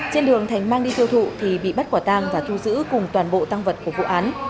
trên đường thành mang đi tiêu thụ thì bị bắt quả tang và thu giữ cùng toàn bộ tăng vật của vụ án